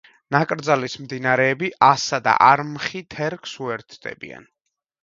ნაკრძალის მდინარეები, ასა და არმხი თერგს უერთდებიან.